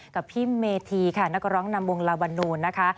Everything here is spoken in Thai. กับพี่เมธีค่ะนักร้องนำวงลาวานูนนะคะ